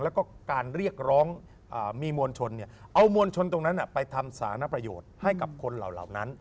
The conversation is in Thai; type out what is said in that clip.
แล้วก็การเรียกร้องมีมวลชนเอามวลชนตรงนั้นไปทำสานประโยชน์ให้กับคนเหล่านั้น